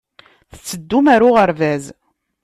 Tetteddum ɣer uɣerbaz.